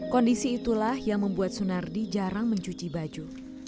kondisi itulah yang membuat sunardi jarang mencuci baju